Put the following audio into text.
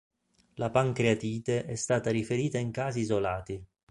La pancreatite è stata riferita in casi isolati.